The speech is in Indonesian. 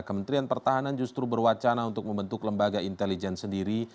kementerian pertahanan justru berwacana untuk membentuk lembaga intelijen sendiri